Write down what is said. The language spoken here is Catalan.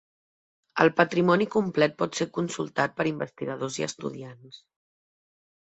El patrimoni complet pot ser consultat per investigadors i estudiants.